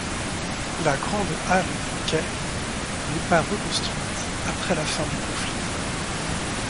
La grande halle des quais n'est pas reconstruite après la fin du conflit.